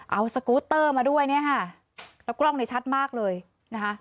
เอาสกูตเตอร์มาด้วยเนี่ยค่ะแล้วกล้องในชัดมากเลยนะคะ